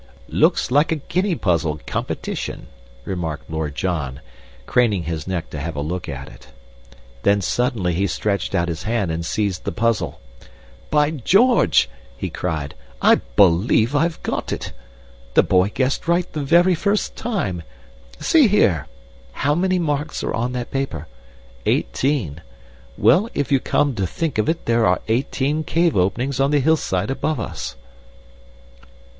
"Looks like a guinea puzzle competition," remarked Lord John, craning his neck to have a look at it. Then suddenly he stretched out his hand and seized the puzzle. "By George!" he cried, "I believe I've got it. The boy guessed right the very first time. See here! How many marks are on that paper? Eighteen. Well, if you come to think of it there are eighteen cave openings on the hill side above us."